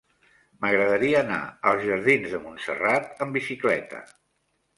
M'agradaria anar als jardins de Montserrat amb bicicleta.